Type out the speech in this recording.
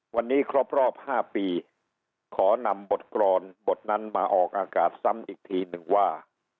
วันนี้ครบรอบ๕ปีขอนำบทกรอนบทนั้นมาออกอากาศซ้ำอีกทีหนึ่งว่า